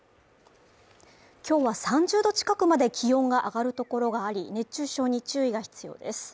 今日は３０度近くまで気温が上がるところがあり熱中症に注意が必要です。